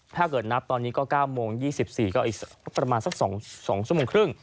ถ้าเกิดนับตอนนี้ก็๙โมง๒๔ก็อีกสักประมาณสัก๒ชั่วโมงครึ่ง